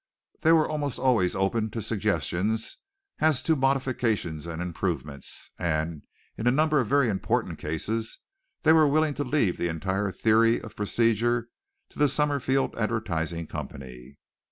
They were almost always open to suggestions as to modifications and improvements, and in a number of very important cases they were willing to leave the entire theory of procedure to the Summerfield Advertising Company.